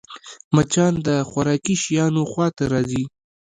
مچان د خوراکي شيانو خوا ته راځي